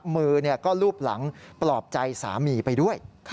มือก็ลูบหลังปลอบใจสามีไปด้วย